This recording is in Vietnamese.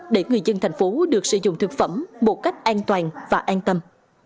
để người dân thành phố được sử dụng thực phẩm một cách an toàn và an tâm